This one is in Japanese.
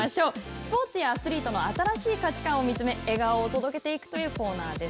スポーツやアスリートの新しい価値観を見つめ、笑顔を届けていくというコーナーです。